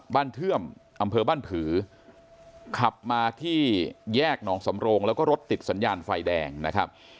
เทื่อมอำเภอบ้านผือขับมาที่แยกหนองสำโรงแล้วก็รถติดสัญญาณไฟแดงนะครับ